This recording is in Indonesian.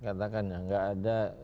katakan nggak ada